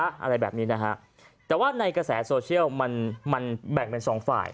อะไรแบบนี้นะฮะแต่ว่าในกระแสโซเชียลมันมันแบ่งเป็นสองฝ่าย